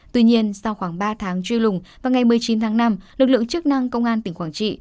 tuy nhiên sau khoảng ba tháng truy lùng vào ngày một mươi chín tháng năm lực lượng chức năng công an tỉnh quảng trị